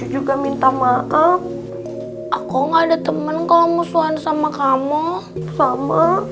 juga minta maaf aku gak ada temen kalau musuhan sama kamu sama